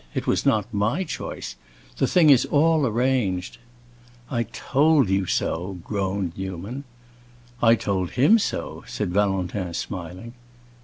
It was not my choice. The thing is all arranged." "I told you so!" groaned Newman. "I told him so," said Valentin, smiling.